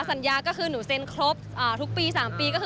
สัญญาก็คือหนูเซ็นครบทุกปี๓ปีก็คือ